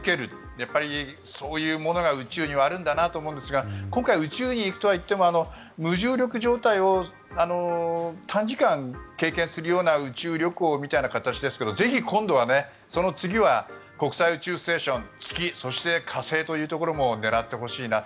やっぱりそういうものが宇宙にはあるんだと思うんですが今回、宇宙に行くとは言っても無重力状態を短時間、経験するような宇宙旅行みたいな形ですけどぜひ今度は、その次は国際宇宙ステーション、月そして火星というところも狙ってほしいなと。